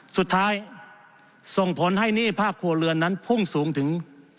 สุดท้ายส่งผลให้หนี้ภาคครัวเรือนนั้นพุ่งสูงถึง